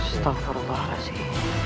aku akan menyerah